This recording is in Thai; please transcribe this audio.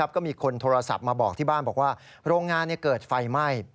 ก็มีคนโทรศัพท์มาบอกที่บ้านบอกว่าโรงงานเกิดไฟไหม้